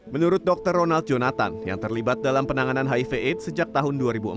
menurut dokter ronald jonathan yang terlibat dalam penanganan hiv aids sejak tahun dua ribu empat